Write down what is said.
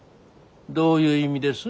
どういう意味です？